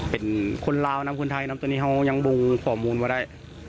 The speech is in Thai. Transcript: เป็นคนลาวนะคนไทยนะตัวนี้เขายังบงข้อมูลมาได้